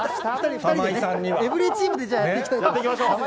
２人で、エブリィチームでやっていきたいと思います。